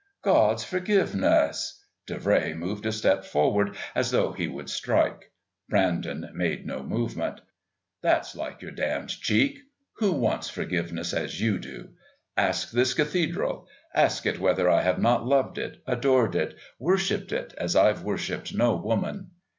"God's forgiveness!" Davray moved a step forward as though he would strike. Brandon made no movement. "That's like your damned cheek. Who wants forgiveness as you do? Ask this Cathedral ask it whether I have not loved it, adored it, worshipped it as I've worshipped no woman.